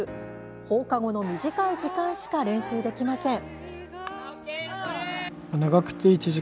放課後の短い時間しか練習できません。